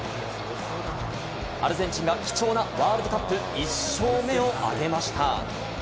アルゼンチンが貴重なワールドカップ１勝目を挙げました。